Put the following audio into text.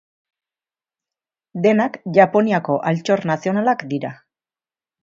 Denak Japoniako Altxor Nazionalak dira.